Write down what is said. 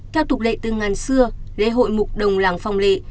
theo tục lệ từ ngàn xưa lễ hội mục đồng làng phong lệ